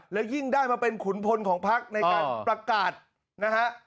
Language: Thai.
แล้วยิ่งได้มาเป็นขุนพลของพักในการประกาศนะฮะ